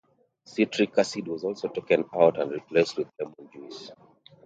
Citric acid was also taken out and replaced with lemon juice.